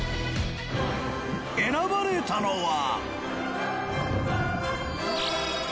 選ばれたのは。